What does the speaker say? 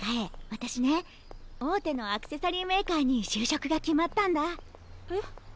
私ね大手のアクセサリーメーカーに就職が決まったんだ。え？